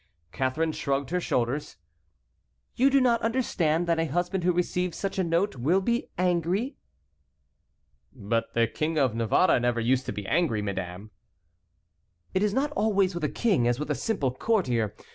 Catharine shrugged her shoulders. "You do not understand that a husband who receives such a note will be angry?" "But the King of Navarre never used to be angry, madame." "It is not always with a king as with a simple courtier.